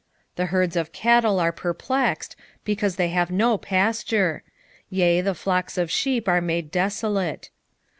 the herds of cattle are perplexed, because they have no pasture; yea, the flocks of sheep are made desolate.